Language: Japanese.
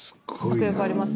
迫力あります？